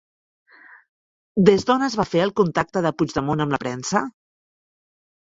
Des d'on es va fer el contacte de Puigdemont amb la premsa?